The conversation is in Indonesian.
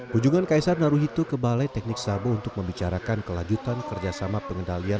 kunjungan kaisar naruhito ke balai teknik sabo untuk membicarakan kelanjutan kerjasama pengendalian